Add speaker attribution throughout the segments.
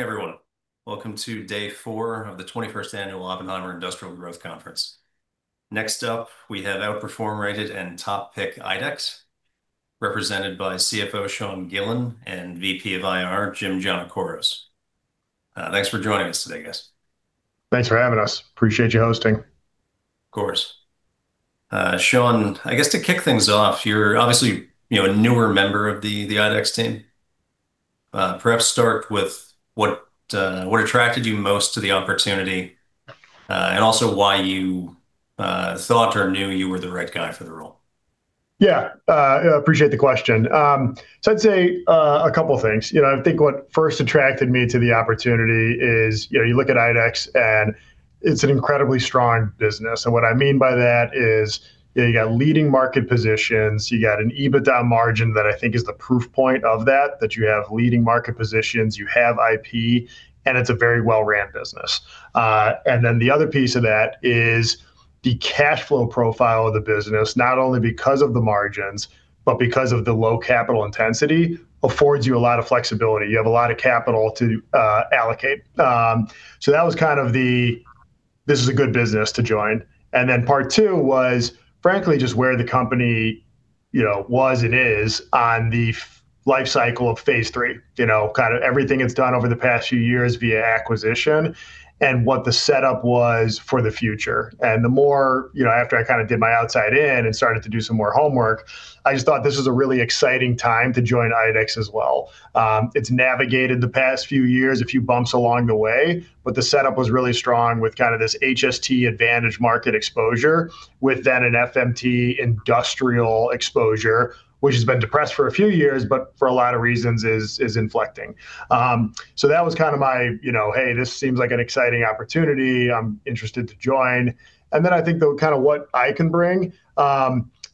Speaker 1: Morning, everyone. Welcome to day four of the 21st Annual Oppenheimer Industrial Growth Conference. Next up, we have outperform rated and top pick IDEX, represented by CFO Sean Gillen and VP of IR, Jim Giannakouros. Thanks for joining us today, guys.
Speaker 2: Thanks for having us. Appreciate you hosting.
Speaker 1: Of course. Sean, I guess to kick things off, you're obviously, you know, a newer member of the IDEX team. Perhaps start with what attracted you most to the opportunity, and also why you thought or knew you were the right guy for the role.
Speaker 2: Yeah. Appreciate the question. I'd say a couple things. You know, I think what first attracted me to the opportunity is, you know, you look at IDEX and it's an incredibly strong business. What I mean by that is you got leading market positions, you got an EBITDA margin that I think is the proof point of that you have leading market positions, you have IP, and it's a very well-run business. The other piece of that is the cash flow profile of the business, not only because of the margins, but because of the low capital intensity, affords you a lot of flexibility. You have a lot of capital to allocate. That was kind of the, this is a good business to join. Part two was, frankly, just where the company, you know, was and is on the life cycle of phase III. You know, kind of everything it's done over the past few years via acquisition and what the setup was for the future. The more, you know, after I kind of did my outside in and started to do some more homework, I just thought this was a really exciting time to join IDEX as well. It's navigated the past few years, a few bumps along the way, but the setup was really strong with kind of this HST advantage market exposure, with then an FMT industrial exposure, which has been depressed for a few years, but for a lot of reasons is inflecting. That was kind of my, you know, "Hey, this seems like an exciting opportunity. I'm interested to join. I think the kind of what I can bring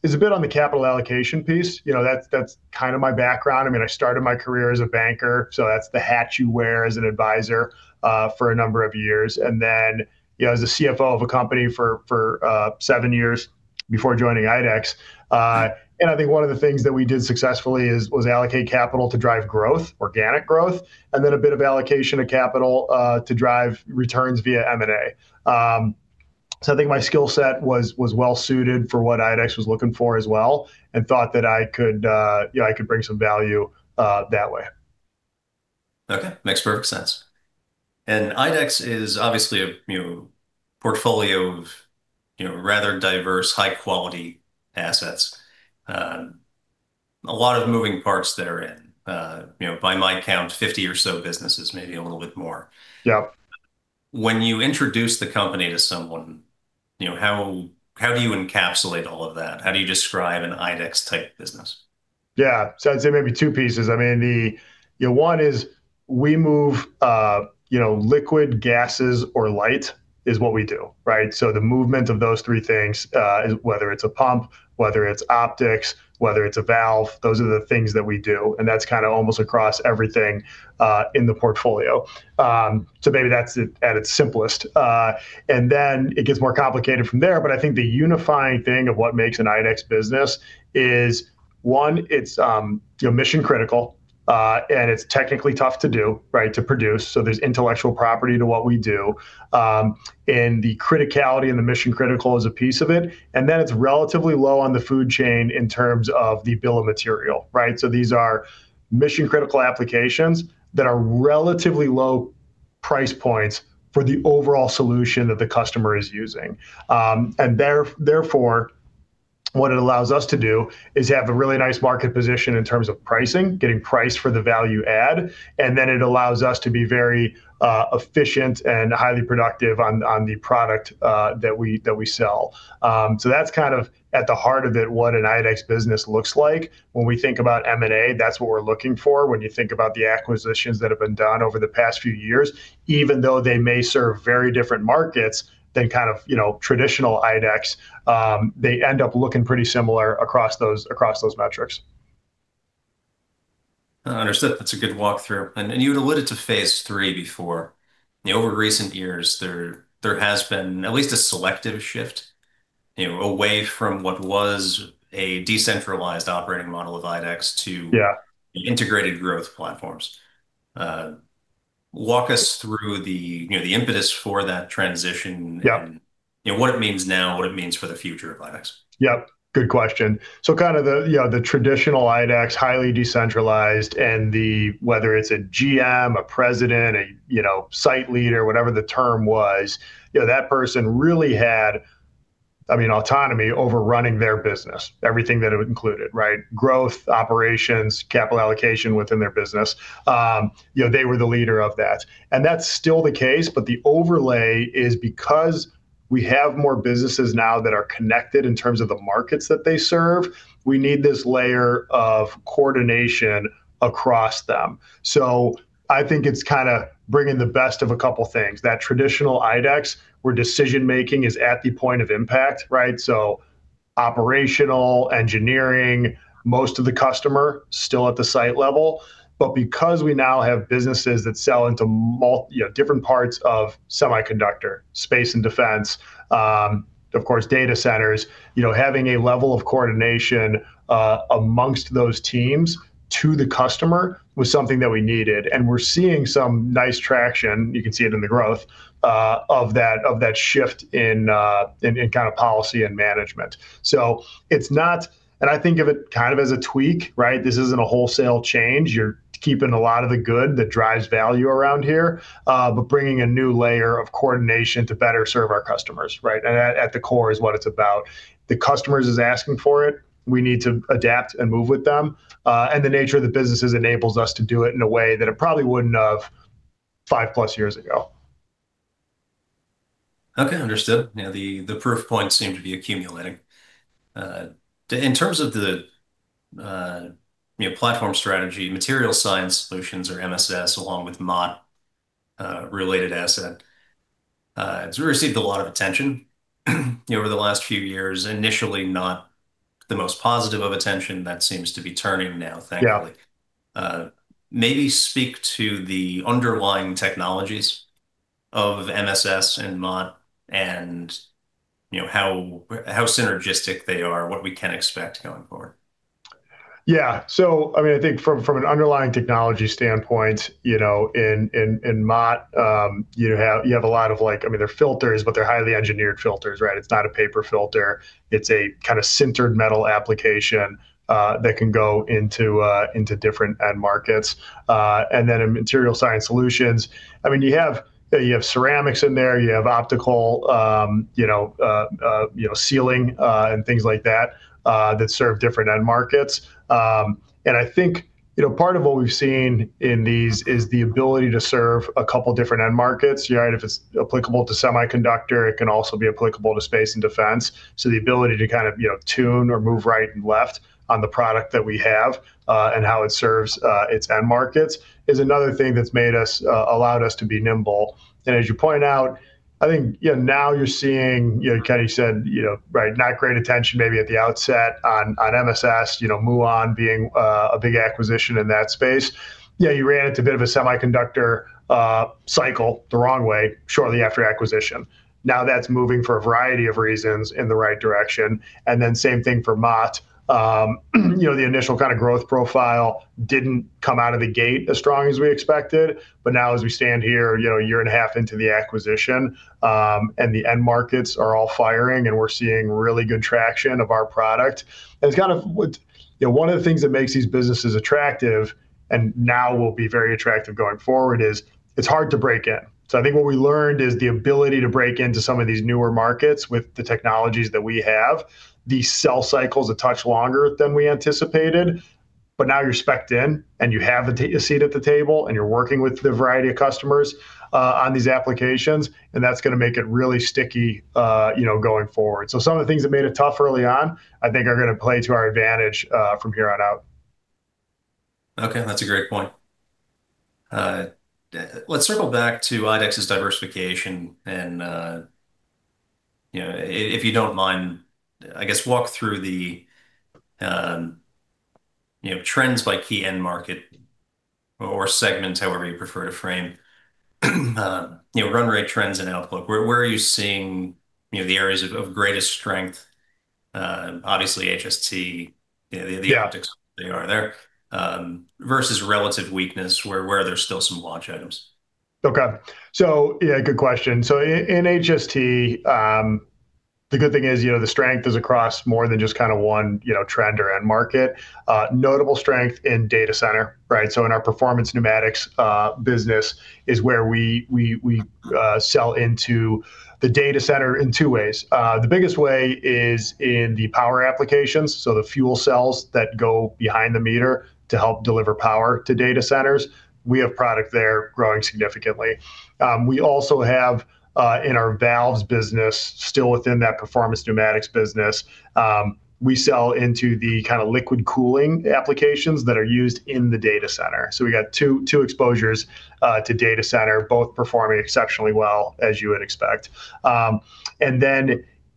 Speaker 2: is a bit on the capital allocation piece. You know, that's kind of my background. I mean, I started my career as a banker, so that's the hat you wear as an advisor for a number of years. You know, as a CFO of a company for seven years before joining IDEX. I think one of the things that we did successfully is, was allocate capital to drive growth, organic growth, and then a bit of allocation of capital to drive returns via M&A. I think my skill set was well suited for what IDEX was looking for as well, and thought that I could, you know, I could bring some value that way.
Speaker 1: Okay. Makes perfect sense. IDEX is obviously a, you know, portfolio of, you know, rather diverse, high quality assets. A lot of moving parts that are in, you know, by my count, 50 or so businesses, maybe a little bit more.
Speaker 2: Yeah.
Speaker 1: When you introduce the company to someone, you know, how do you encapsulate all of that? How do you describe an IDEX type business?
Speaker 2: Yeah. I'd say maybe two pieces. I mean, the You know, one is we move, you know, liquid gases or light is what we do, right? The movement of those three things is whether it's a pump, whether it's optics, whether it's a valve, those are the things that we do, and that's kind of almost across everything in the portfolio. Maybe that's it at its simplest. Then it gets more complicated from there. I think the unifying thing of what makes an IDEX business is one, it's, you know, mission critical, and it's technically tough to do, right? To produce. There's intellectual property to what we do. The criticality and the mission critical is a piece of it, then it's relatively low on the food chain in terms of the bill of material, right? These are mission critical applications that are relatively low price points for the overall solution that the customer is using. Therefore what it allows us to do is have a really nice market position in terms of pricing, getting price for the value add, then it allows us to be very efficient and highly productive on the product that we sell. That's kind of at the heart of it, what an IDEX business looks like. When we think about M&A, that's what we're looking for. When you think about the acquisitions that have been done over the past few years, even though they may serve very different markets than kind of, you know, traditional IDEX, they end up looking pretty similar across those, across those metrics.
Speaker 1: Understood. That's a good walkthrough. You'd alluded to phase III before. You know, over recent years, there has been at least a selective shift, you know, away from what was a decentralized operating model of IDEX to.
Speaker 2: Yeah.
Speaker 1: Integrated growth platforms. Walk us through the, you know, the impetus for that transition?
Speaker 2: Yeah
Speaker 1: You know, what it means now, what it means for the future of IDEX.
Speaker 2: Yep, good question. Kind of the, you know, the traditional IDEX, highly decentralized, and the, whether it's a GM, a President, a, you know, Site Leader, whatever the term was, you know, that person really had, I mean, autonomy over running their business. Everything that it included, right? Growth, operations, capital allocation within their business. You know, they were the leader of that. That's still the case, but the overlay is because we have more businesses now that are connected in terms of the markets that they serve, we need this layer of coordination across them. I think it's kind of bringing the best of a couple things. That traditional IDEX, where decision-making is at the point of impact, right? Operational engineering, most of the customer still at the site level. Because we now have businesses that sell into you know, different parts of semiconductor, space and defense, of course data centers, you know, having a level of coordination amongst those teams to the customer was something that we needed, and we're seeing some nice traction, you can see it in the growth of that, of that shift in kind of policy and management. I think of it kind of as a tweak, right. This isn't a wholesale change. You're keeping a lot of the good that drives value around here, but bringing a new layer of coordination to better serve our customers, right. At the core is what it's about. The customers is asking for it. We need to adapt and move with them. The nature of the businesses enables us to do it in a way that it probably wouldn't have 5+ years ago.
Speaker 1: Okay. Understood. You know, the proof points seem to be accumulating. In terms of the, you know, platform strategy, Material Science Solutions or MSS, along with Mott, related asset, it's received a lot of attention, you know, over the last few years. Initially, not the most positive of attention. That seems to be turning now, thankfully.
Speaker 2: Yeah.
Speaker 1: Maybe speak to the underlying technologies of MSS and Mott and, you know, how synergistic they are, what we can expect going forward?
Speaker 2: Yeah. I mean, I think from an underlying technology standpoint, you know, in Mott, you have a lot of filters, but they're highly engineered filters, right? It's not a paper filter. It's a kind of sintered metal application that can go into different end markets. Then in Material Science Solutions, I mean, you have ceramics in there, you have optical, you know, sealing and things like that that serve different end markets. I think, you know, part of what we've seen in these is the ability to serve a couple different end markets, right? If it's applicable to semiconductor, it can also be applicable to space and defense. The ability to kind of, you know, tune or move right and left on the product that we have, and how it serves its end markets is another thing that's made us, allowed us to be nimble. As you point out, I think, you know, now you're seeing, you know, Eric said, you know, right, not great attention maybe at the outset on MSS, Muon being, a big acquisition in that space. You ran into a bit of a semiconductor cycle the wrong way shortly after acquisition. Now that's moving for a variety of reasons in the right direction. Then same thing for Mott. You know, the initial kind of growth profile didn't come out of the gate as strong as we expected, but now as we stand here, you know, a year and a half into the acquisition, and the end markets are all firing and we're seeing really good traction of our product. It's kind of what You know, one of the things that makes these businesses attractive, and now will be very attractive going forward, is it's hard to break in. I think what we learned is the ability to break into some of these newer markets with the technologies that we have, the sell cycle's a touch longer than we anticipated, but now you're spec'd in and you have a seat at the table, and you're working with the variety of customers on these applications, and that's gonna make it really sticky, you know, going forward. Some of the things that made it tough early on I think are gonna play to our advantage from here on out.
Speaker 1: Okay. That's a great point. Let's circle back to IDEX's diversification and, you know, if you don't mind, I guess walk through the, you know, trends by key end market or segments, however you prefer to frame, you know, run rate trends and outlook. Where are you seeing, you know, the areas of greatest strength? Obviously HST, you know.
Speaker 2: Yeah.
Speaker 1: The optics they are there versus relative weakness where there's still some launch items.
Speaker 2: Okay. Yeah, good question. In HST, the good thing is, you know, the strength is across more than just kind of one, you know, trend or end market. Notable strength in data center, right? In our Performance Pneumatics business is where we sell into the data center in two ways. The biggest way is in the power applications, so the fuel cells that go behind the meter to help deliver power to data centers. We have product there growing significantly. We also have, in our valves business, still within that Performance Pneumatics business, we sell into the kind of liquid cooling applications that are used in the data center. We got two exposures to data center, both performing exceptionally well, as you would expect.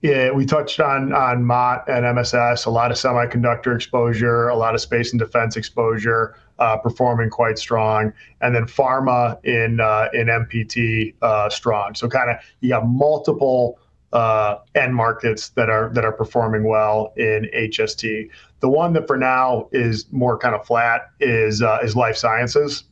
Speaker 2: We touched on Mott and MSS, a lot of semiconductor exposure, a lot of space and defense exposure, performing quite strong. Pharma in MPT, strong. You have multiple end markets that are performing well in HST. The one that for now is more kind of flat is life sciences.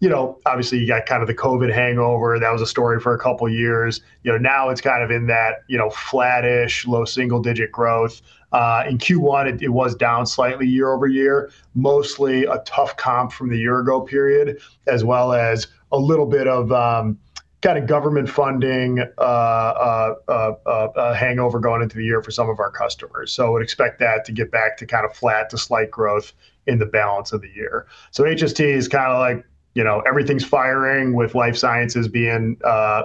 Speaker 2: You know, obviously you got kind of the COVID hangover. That was a story for two years. You know, now it's kind of in that, you know, flat-ish, low single-digit growth. In Q1 it was down slightly year-over-year, mostly a tough comp from the year ago period, as well as a little bit of kind of government funding hangover going into the year for some of our customers. Would expect that to get back to kind of flat to slight growth in the balance of the year. HST is kind of like, you know, everything's firing with life sciences being,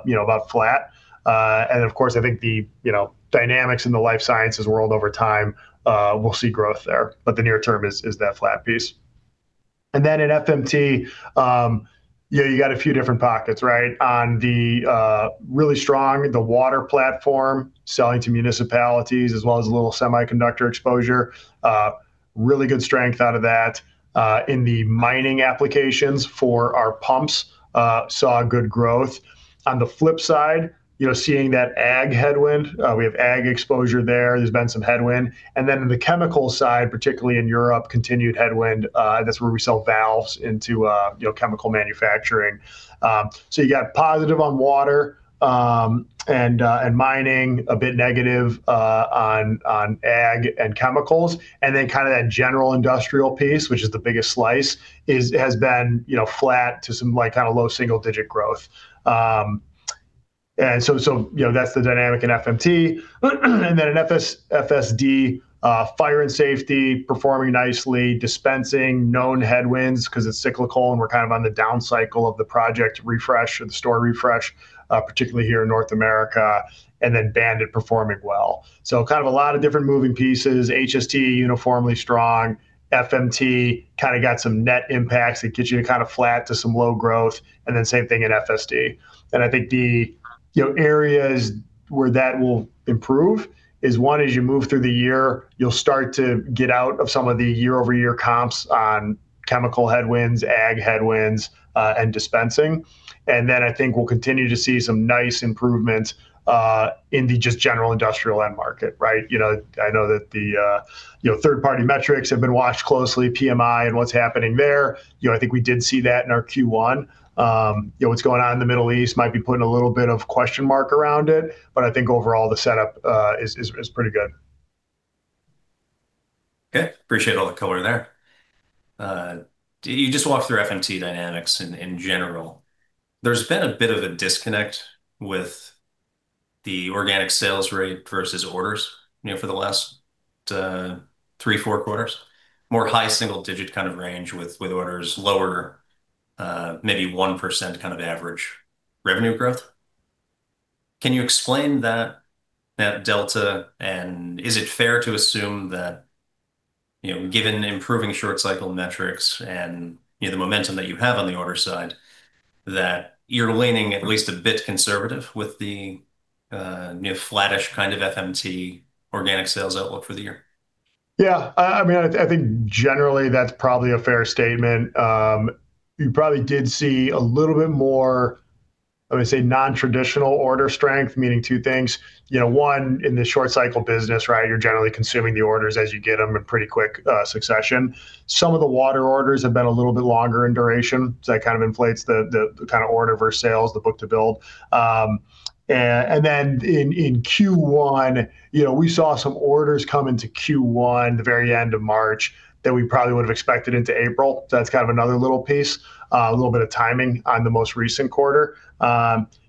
Speaker 2: you know, about flat. Of course, I think the, you know, dynamics in the life sciences world over time, we'll see growth there, but the near term is that flat piece. Then in FMT, you know, you got a few different pockets, right? On the really strong, the water platform selling to municipalities as well as a little semiconductor exposure, really good strength out of that in the mining applications for our pumps saw good growth. On the flip side, you know, seeing that ag headwind, we have ag exposure there. There's been some headwind. In the chemical side, particularly in Europe, continued headwind. That's where we sell valves into, you know, chemical manufacturing. You got positive on water and mining. A bit negative on ag and chemicals. Kind of that general industrial piece, which is the biggest slice, has been, you know, flat to some, like, kind of low single-digit growth. You know, that's the dynamic in FMT. In FSD, fire and safety performing nicely. Dispensing, known headwinds because it's cyclical, and we're kind of on the down cycle of the project refresh or the store refresh, particularly here in North America. BAND-IT performing well. Kind of a lot of different moving pieces. HST uniformly strong. FMT kind of got some net impacts that gets you to kind of flat to some low growth, and then same thing at FSD. I think the, you know, areas where that will improve is, one, as you move through the year, you'll start to get out of some of the year-over-year comps on chemical headwinds, ag headwinds, and dispensing. I think we'll continue to see some nice improvements in the just general industrial end market, right? You know, I know that the, you know, third-party metrics have been watched closely, PMI and what's happening there. You know, I think we did see that in our Q1. You know, what's going on in the Middle East might be putting a little bit of question mark around it. I think overall the setup is pretty good.
Speaker 1: Okay. Appreciate all the color there. You just walked through FMT dynamics in general. There's been a bit of a disconnect with the organic sales rate versus orders, you know, for the last three, four quarters. More high single digit kind of range with orders lower, maybe 1% kind of average revenue growth. Can you explain that delta? Is it fair to assume that, you know, given improving short cycle metrics and, you know, the momentum that you have on the order side, that you're leaning at least a bit conservative with the, you know, flattish kind of FMT organic sales outlook for the year?
Speaker 2: Yeah. I mean, I think generally that's probably a fair statement. You probably did see a little bit more, I would say, non-traditional order strength, meaning two things. You know, one, in the short cycle business, right, you're generally consuming the orders as you get them in pretty quick succession. Some of the water orders have been a little bit longer in duration, so that kind of inflates the kind of order versus sales, the book-to-bill. In Q1, you know, we saw some orders come into Q1 the very end of March that we probably would have expected into April. That's kind of another little piece, a little bit of timing on the most recent quarter.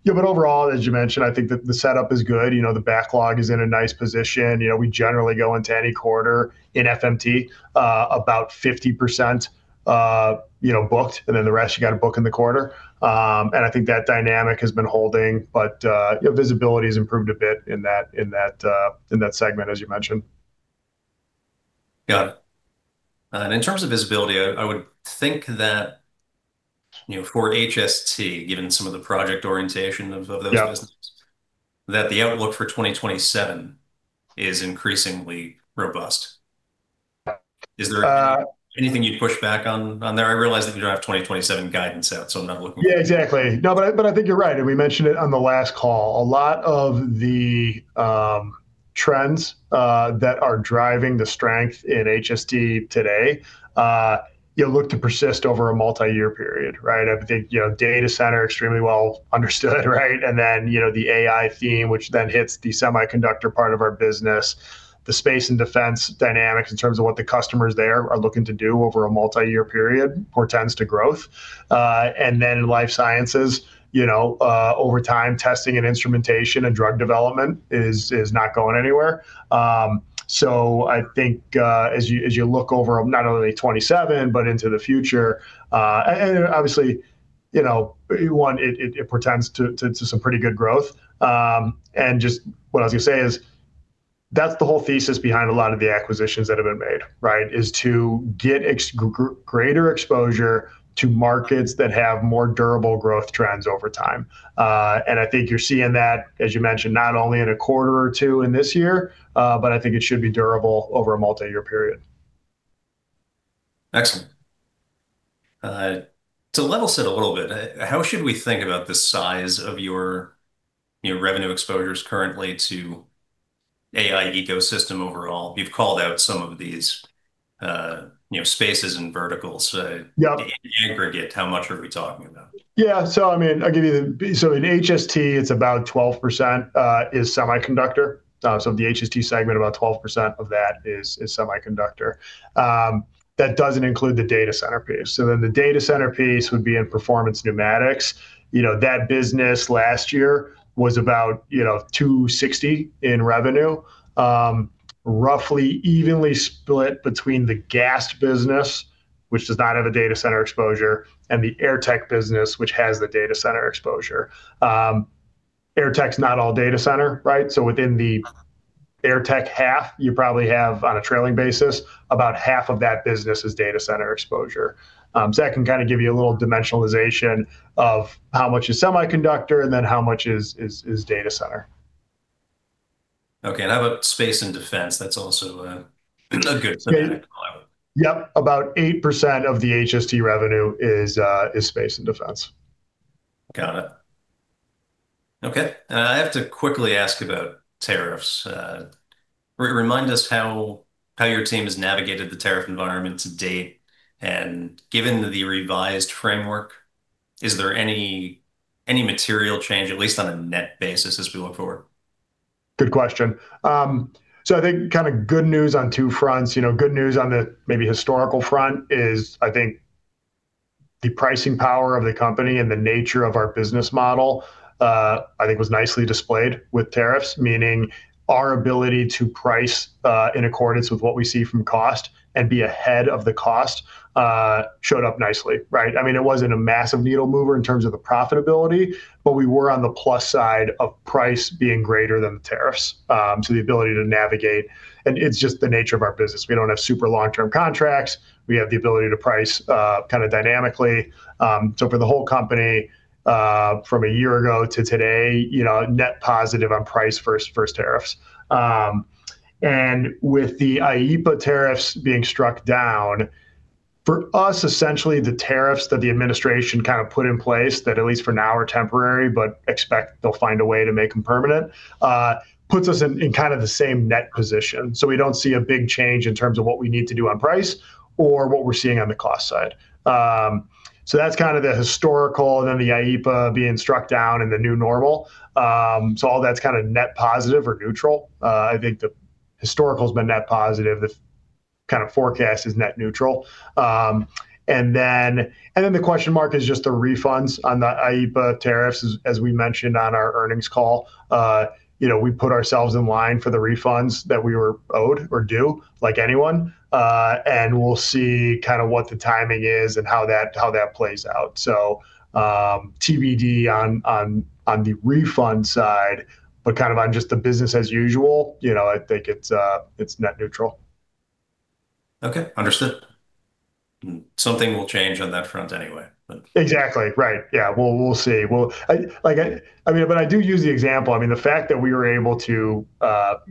Speaker 2: Yeah, overall, as you mentioned, I think that the setup is good. You know, the backlog is in a nice position. You know, we generally go into any quarter in FMT, about 50%, you know, booked, and then the rest you got to book in the quarter. I think that dynamic has been holding. You know, visibility's improved a bit in that, in that, in that segment, as you mentioned.
Speaker 1: Got it. In terms of visibility, I would think that, you know, for HST, given some of the project orientation of those businesses. That the outlook for 2027 is increasingly robust. Is there anything you'd push back on there? I realize that you don't have 2027 guidance out, so I'm not looking.
Speaker 2: Yeah, exactly. I think you're right, and we mentioned it on the last call. A lot of the trends that are driving the strength in HST today, you know, look to persist over a multi-year period, right? I think, you know, data center extremely well understood, right? You know, the AI theme, which then hits the semiconductor part of our business. The space and defense dynamics in terms of what the customers there are looking to do over a multi-year period portends to growth. In life sciences, you know, over time, testing and instrumentation and drug development is not going anywhere. I think as you look over not only 2027 but into the future, obviously, you know, one, it portends to some pretty good growth. Just what I was gonna say is that's the whole thesis behind a lot of the acquisitions that have been made, right? Is to get greater exposure to markets that have more durable growth trends over time. I think you're seeing that, as you mentioned, not only in a quarter or two in this year, but I think it should be durable over a multi-year period.
Speaker 1: Excellent. To level set a little bit, how should we think about the size of your, you know, revenue exposures currently to AI ecosystem overall? You've called out some of these, you know, spaces and verticals.
Speaker 2: Yeah.
Speaker 1: In aggregate, how much are we talking about?
Speaker 2: I mean, I'll give you the in HST it's about 12% is semiconductor. Of the HST segment, about 12% of that is semiconductor. That doesn't include the data center piece. The data center piece would be in Performance Pneumatics. You know, that business last year was about, you know, $260 in revenue, roughly evenly split between the Gast business, which does not have a data center exposure, and the Airtech business, which has the data center exposure. Airtech's not all data center, right? Within the Airtech half, you probably have, on a trailing basis, about half of that business is data center exposure. That can kind of give you a little dimensionalization of how much is semiconductor and how much is data center.
Speaker 1: Okay. How about space and defense? That's also a good segment to follow.
Speaker 2: Yeah. Yep, about 8% of the HST revenue is space and defense.
Speaker 1: Got it. Okay. I have to quickly ask about tariffs. Remind us how your team has navigated the tariff environment to date, and given the revised framework, is there any material change, at least on a net basis, as we look forward?
Speaker 2: Good question. I think kind of good news on two fronts. You know, good news on the maybe historical front is, I think, the pricing power of the company and the nature of our business model, I think was nicely displayed with tariffs, meaning our ability to price in accordance with what we see from cost and be ahead of the cost, showed up nicely, right? I mean, it wasn't a massive needle mover in terms of the profitability, but we were on the plus side of price being greater than the tariffs, the ability to navigate. It's just the nature of our business. We don't have super long-term contracts. We have the ability to price kind of dynamically. For the whole company, from a year ago to today, you know, net positive on price versus tariffs. With the IEEPA tariffs being struck down, for us, essentially, the tariffs that the administration kind of put in place that at least for now are temporary, but expect they'll find a way to make them permanent, puts us in kind of the same net position. We don't see a big change in terms of what we need to do on price or what we're seeing on the cost side. That's kind of the historical and then the IEEPA being struck down and the new normal. All that's kind of net positive or neutral. I think the historical's been net positive. The kind of forecast is net neutral. Then the question mark is just the refunds on the IEEPA tariffs. As we mentioned on our earnings call, you know, we put ourselves in line for the refunds that we were owed or due, like anyone. We'll see kind of what the timing is and how that plays out. TBD on the refund side, but kind of on just the business as usual, you know, I think it's net neutral.
Speaker 1: Okay. Understood. Something will change on that front anyway.
Speaker 2: Exactly. Right. Yeah. We'll see. I mean, I do use the example. I mean, the fact that we were able to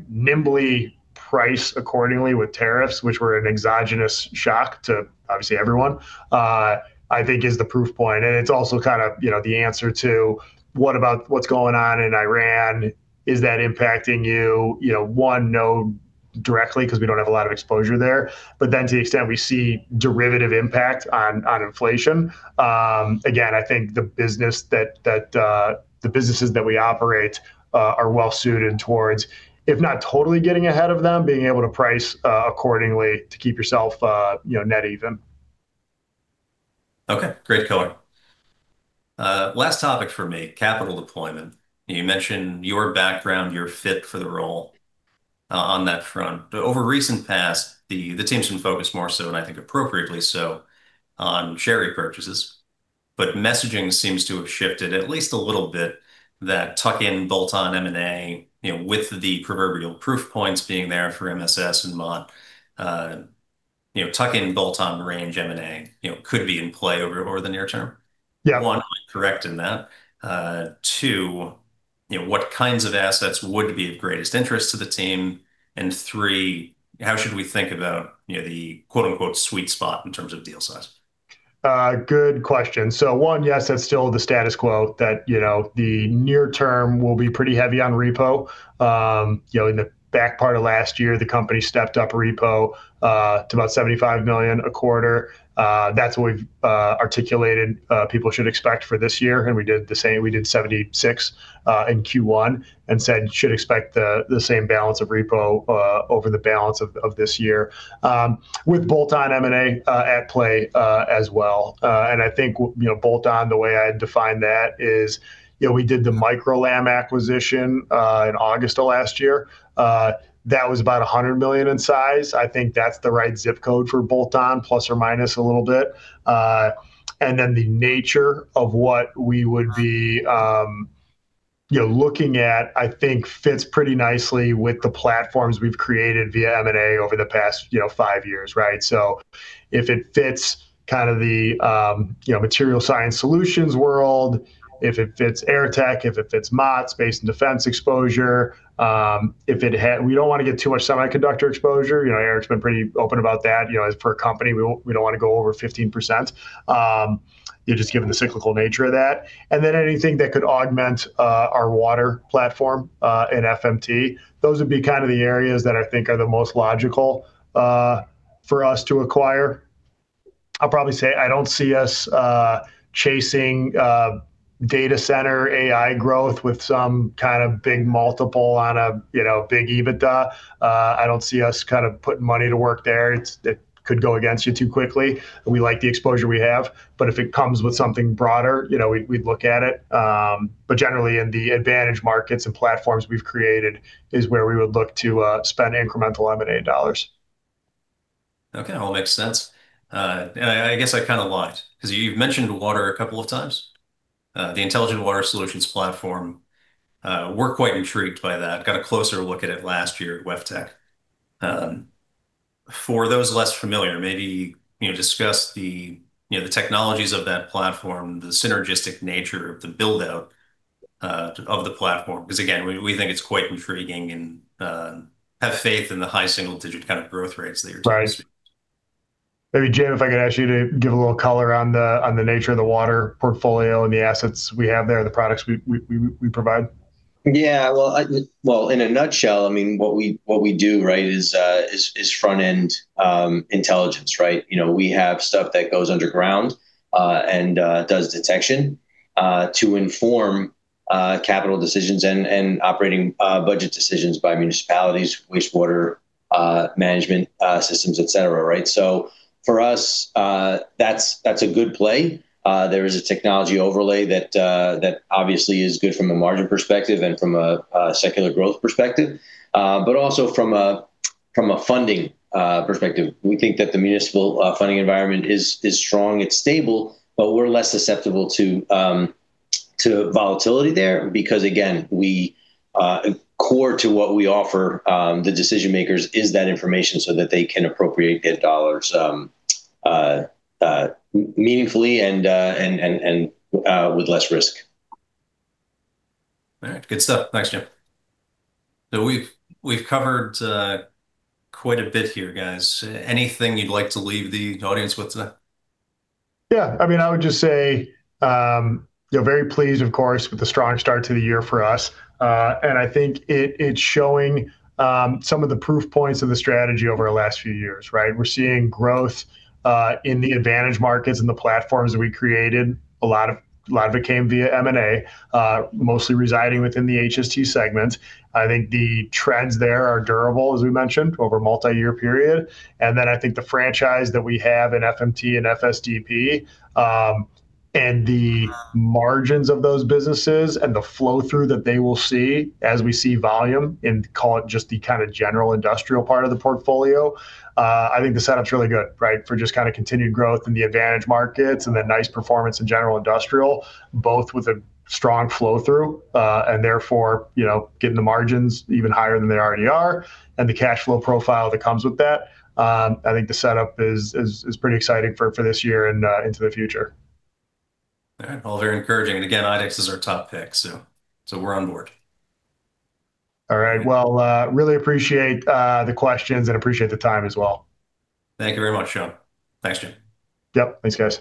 Speaker 2: nimbly price accordingly with tariffs, which were an exogenous shock to obviously everyone, I think is the proof point. It's also kind of, you know, the answer to what about what's going on in Iran? Is that impacting you? You know, one, no, directly, because we don't have a lot of exposure there. To the extent we see derivative impact on inflation, again, I think the business that the businesses that we operate are well suited towards, if not totally getting ahead of them, being able to price accordingly to keep yourself, you know, net even.
Speaker 1: Okay. Great color. Last topic for me, capital deployment. You mentioned your background, your fit for the role on that front. Over recent past, the team's been focused more so, and I think appropriately so, on share repurchases. Messaging seems to have shifted at least a little bit that tuck-in, bolt-on M&A, you know, with the proverbial proof points being there for MSS and Mott. You know, tuck-in, bolt-on range M&A, you know, could be in play over the near term.
Speaker 2: Yeah.
Speaker 1: One, am I correct in that? Two, you know, what kinds of assets would be of greatest interest to the team? Three, how should we think about, you know, the, quote-unquote, "sweet spot" in terms of deal size?
Speaker 2: Good question. One, yes, that's still the status quo that, you know, the near term will be pretty heavy on repo. You know, in the back part of last year, the company stepped up repo to about $75 million a quarter. That's what we've articulated people should expect for this year, and we did the same. We did $76 in Q1 and said should expect the same balance of repo over the balance of this year, with bolt-on M&A at play as well. I think, you know, bolt-on, the way I define that is, you know, we did the Micro-LAM acquisition in August of last year. That was about $100 million in size. I think that's the right zip code for bolt-on, plus or minus a little bit. The nature of what we would be, you know, looking at, I think fits pretty nicely with the platforms we've created via M&A over the past, you know, five years, right? If it fits kind of the, you know, Material Science Solutions world, if it fits Airtech, if it fits Mott's base and defense exposure, We don't want to get too much semiconductor exposure. You know, Eric's been pretty open about that. You know, as per company, we don't want to go over 15%, you know, just given the cyclical nature of that. Anything that could augment our water platform in FMT. Those would be kind of the areas that I think are the most logical for us to acquire. I'll probably say I don't see us chasing data center AI growth with some kind of big multiple on a, you know, big EBITDA. I don't see us kind of putting money to work there. It could go against you too quickly. We like the exposure we have, but if it comes with something broader, you know, we'd look at it. But generally in the advantage markets and platforms we've created is where we would look to spend incremental M&A dollars.
Speaker 1: Okay. All makes sense. I guess I kind of lied, because you've mentioned water a couple of times. The Intelligent Water platform, we're quite intrigued by that. Got a closer look at it last year at WEFTEC. For those less familiar, maybe, you know, discuss the, you know, the technologies of that platform, the synergistic nature of the build-out of the platform. Because again, we think it's quite intriguing and have faith in the high single-digit kind of growth rates that you're targeting.
Speaker 2: Right. Maybe Jim, if I could ask you to give a little color on the, on the nature of the water portfolio and the assets we have there, the products we provide.
Speaker 3: Yeah. Well, in a nutshell, I mean, what we do, right, is front end, intelligence, right? You know, we have stuff that goes underground, and does detection, to inform, capital decisions and operating, budget decisions by municipalities, wastewater, management, systems, et cetera, right? For us, that's a good play. There is a technology overlay that obviously is good from a margin perspective and from a secular growth perspective. Also from a funding, perspective. We think that the municipal funding environment is strong, it's stable, but we're less susceptible to volatility there because again, we core to what we offer the decision makers is that information so that they can appropriate their dollars meaningfully and, with less risk.
Speaker 1: All right. Good stuff. Thanks, Jim. We've covered quite a bit here, guys. Anything you'd like to leave the audience with tonight?
Speaker 2: Yeah. I mean, I would just say, you know, very pleased of course with the strong start to the year for us. I think it's showing some of the proof points of the strategy over the last few years, right? We're seeing growth in the advantage markets and the platforms that we created. A lot of it came via M&A, mostly residing within the HST segment. I think the trends there are durable, as we mentioned, over a multi-year period. I think the franchise that we have in FMT and FSDP, and the margins of those businesses and the flow through that they will see as we see volume, and call it just the kind of general industrial part of the portfolio, I think the setup's really good, right? For just kind of continued growth in the advantage markets and the nice performance in general industrial, both with a strong flow through. Therefore, you know, getting the margins even higher than they already are, and the cash flow profile that comes with that. I think the setup is pretty exciting for this year and into the future.
Speaker 1: All right. All very encouraging. Again, IDEX is our top pick, so we're on board.
Speaker 2: All right. Well, really appreciate the questions and appreciate the time as well.
Speaker 1: Thank you very much, Sean. Thanks, Jim.
Speaker 2: Yep. Thanks, guys.